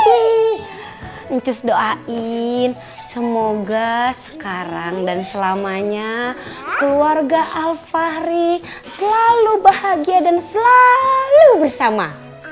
ancus doain semoga sekarang dan selamanya keluarga alfahri selalu bahagia dan selalu bersama